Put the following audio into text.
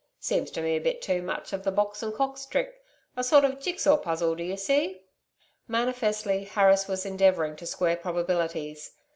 Seems to me a bit too much of the Box and Cox trick a sort of jig saw puzzle, d'you see.' Manifestly, Harris was endeavouring to square probabilities.